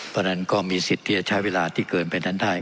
เพราะฉะนั้นก็มีสิทธิ์ที่จะใช้เวลาที่เกินไปนั้นได้